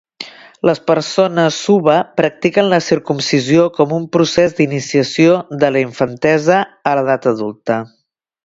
Les persones Suba practiquen la circumcisió com un procés d"iniciació de la infantesa a l"edat adulta.